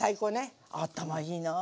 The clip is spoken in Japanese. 頭いいなぁ。